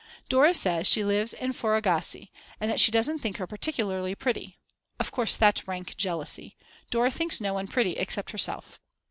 Dora says she lives in Phorusgasse, and that she doesn't think her particularly pretty. Of course that's rank jealousy; Dora thinks no one pretty except herself.